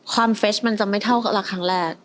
ความเฟรชมันจะไม่เท่ากับรักครั้งแรก